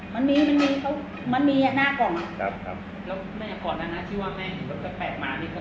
มันมีมันมีเขามันมีอ่ะหน้ากล่องครับครับแล้วแม่ก่อนนะนะที่ว่าแม่เห็นรถแปลกหมานี่